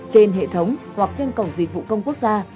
trên hệ thống hoặc trên cổng dịch vụ công quốc gia